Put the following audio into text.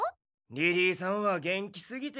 リリーさんは元気すぎて。